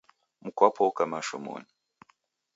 Mkwapo oka mashomonyi.